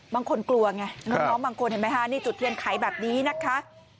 บางคนกลัวไงน้องบางคนเห็นไหมคะนี่จุดเทียนไขแบบนี้นะคะ